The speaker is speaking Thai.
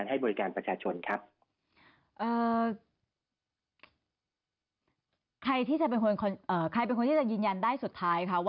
แล้วยังมีเข้าสภาอีกก็จะผลการแยงอีกยาว